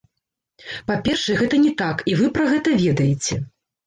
Па-першае, гэта не так, і вы пра гэта ведаеце.